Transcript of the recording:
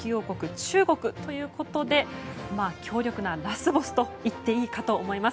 中国ということで強力なラスボスと言っていいと思います。